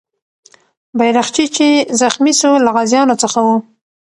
بیرغچی چې زخمي سو، له غازیانو څخه و.